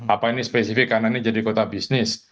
apa ini spesifik karena ini jadi kota bisnis